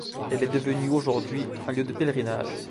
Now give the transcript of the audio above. Elle est devenue, aujourd'hui, un lieu de pèlerinage.